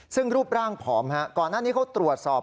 ซึ่งรูปร่างผอมก่อนหน้านี้เขาตรวจสอบ